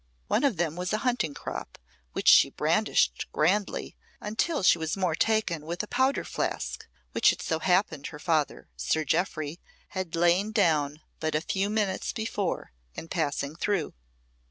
One of them was a hunting crop, which she brandished grandly, until she was more taken with a powder flask which it so happened her father, Sir Jeoffry, had lain down but a few minutes before, in passing through.